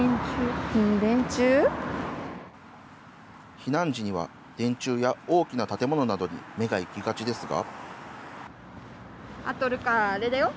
避難時には電柱や大きな建物などに目が行きがちですが。